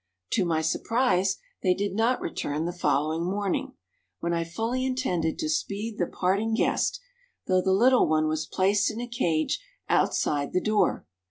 To my surprise they did not return the following morning, when I fully intended to speed the parting guest, though the little one was placed in a cage outside the door.